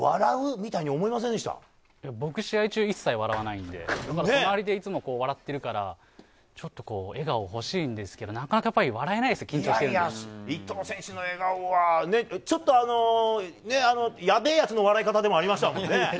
みたいに僕、試合中一切笑わないので隣でいつも笑ってるからちょっと笑顔欲しいんですけどなかなか笑えないですよ伊藤選手の笑顔はやべえやつの笑い方でもありましたもんね。